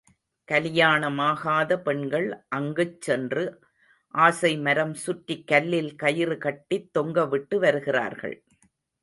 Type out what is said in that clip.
கலியாணமாகாத பெண்கள் அங்குச் சென்று ஆசை மரம் சுற்றிக் கல்லில் கயிறு கட்டித் தொங்கவிட்டு வருகிறார்கள்.